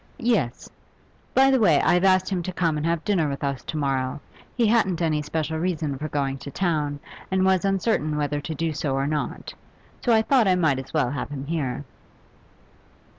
'Yes. By the way, I've asked him to come and have dinner with us to morrow. He hadn't any special reason for going to town, and was uncertain whether to do so or not, so I thought I might as well have him here.